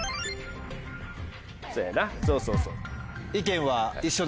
そやなそうそうそう。